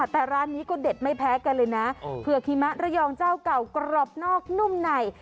แต่ร้านนี้ก็เด็ดไม่แพ้กันเลยนะเผือกหิมะระยองเจ้าเก่ากรอบนอกนุ่มไหน